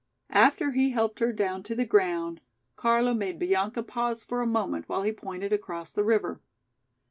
After he helped her down to the ground, Carlo made Bianca pause for a moment while he pointed across the river.